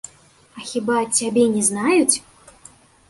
А хіба цябе не знаюць?